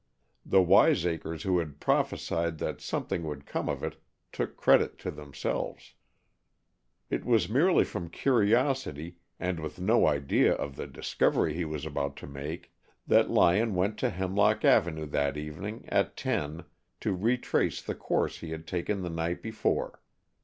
The wiseacres who had prophesied that something would come of it took credit to themselves. It was merely from curiosity, and with no idea of the discovery he was about to make, that Lyon went to Hemlock Avenue that evening at ten to retrace the course he had taken the night before.